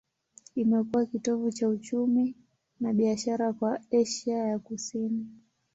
Imekuwa kitovu cha uchumi na biashara kwa Asia ya Kusini.